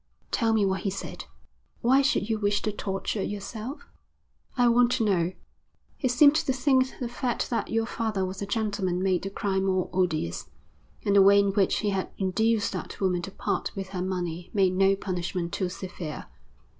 'Tell me what he said.' 'Why should you wish to torture yourself?' 'I want to know.' 'He seemed to think the fact that your father was a gentleman made the crime more odious, and the way in which he had induced that woman to part with her money made no punishment too severe.